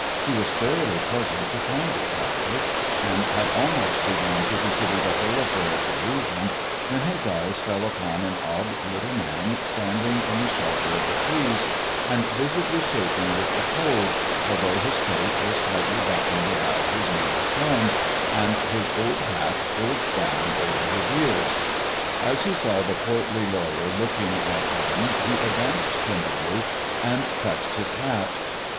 He was thoroughly puzzled to find its object, and had almost begun to consider the whole affair a delusion, when his eyes fell upon an odd little man, standing in the shelter of the trees, and visibly shaking with the cold, although his coat was tightly buttoned about his meager form, and his old hat pulled down over his ears. As he saw the portly lawyer looking at him he advanced timidly and touched his hat.